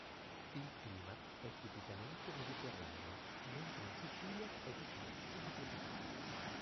Il clima è tipicamente mediterraneo, mentre in Sicilia è di tipo subtropicale.